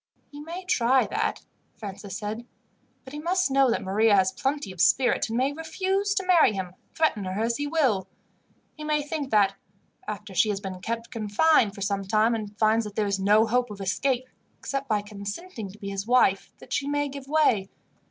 "He may try that," Francis said; "but he must know that Maria has plenty of spirit, and may refuse to marry him, threaten her as he will. He may think that, after she has been kept confined for some time, and finds that there is no hope of escape, except by consenting to be his wife, she may give way.